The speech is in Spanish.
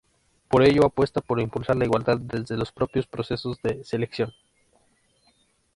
Por ello apuesta por impulsar la igualdad desde los propios procesos de selección.